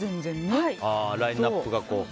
ラインアップが。